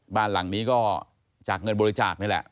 บ้านหลังนี้ก็จากเงินบริจาคนี่แหละ